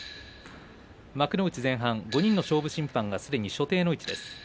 幕内前半５人の勝負審判がすでに所定の位置です。